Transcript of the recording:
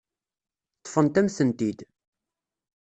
Ṭṭfent-am-tent-id.